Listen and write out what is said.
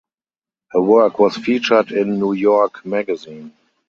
Her work was featured in "New York" magazine.